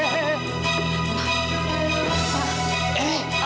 ya allah pak